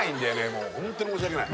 もうホントに申し訳ない